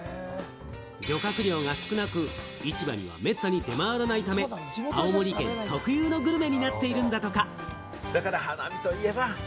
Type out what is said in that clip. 漁獲量が少なく、市場にはめったに出回らないため、青森県特有のグルメになっているんだとか。